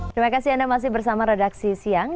terima kasih anda masih bersama redaksi siang